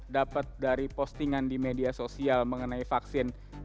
dapat dari postingan di media sosial mengenai vaksin